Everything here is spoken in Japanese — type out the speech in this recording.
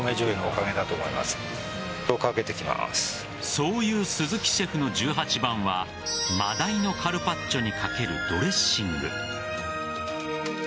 そういう鈴木シェフの十八番は真鯛のカルパッチョにかけるドレッシング。